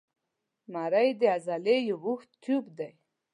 مرۍ د عضلې یو اوږد تیوب دی.